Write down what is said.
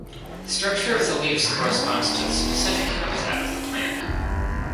The structure of the leaves corresponds to the specific habitat of the plant.